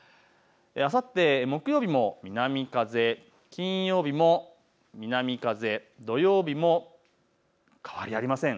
あさって木曜日も南風、金曜日も南風、土曜日も変わりありません。